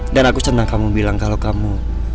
dan aku senang kamu bilang kalau kamu